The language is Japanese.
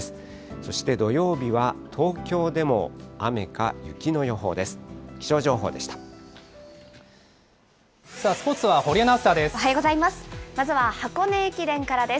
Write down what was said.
そして土曜日は東京でも雨か雪の予報です。